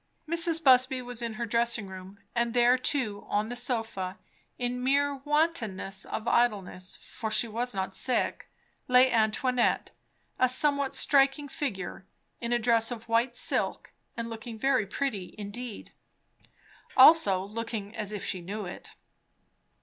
Mrs. Busby was in her dressing room; and there too, on the sofa, in mere wantonness of idleness, for she was not sick, lay Antoinette; a somewhat striking figure, in a dress of white silk, and looking very pretty indeed. Also looking as if she knew it.